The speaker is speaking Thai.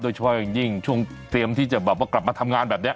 เฉพาะอย่างยิ่งช่วงเตรียมที่จะแบบว่ากลับมาทำงานแบบนี้